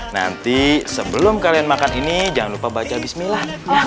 nanti sebelum kalian makan ini jangan lupa baca bismillah